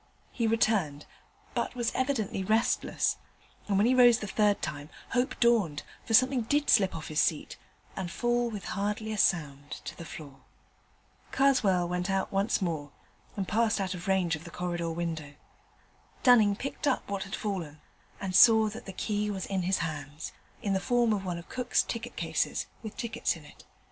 He returned, but was evidently restless: and, when he rose the third time, hope dawned, for something did slip off his seat and fall with hardly a sound to the floor. Karswell went out once more, and passed out of range of the corridor window. Dunning picked up what had fallen, and saw that the key was in his hands in the form of one of Cook's ticket cases, with tickets in it.